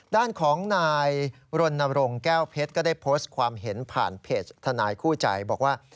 ด้านของนายรณรงค์แก้วเพชรก็ได้โพสต์ความเห็นผ่านเพจทนายคู่ใจบอกว่า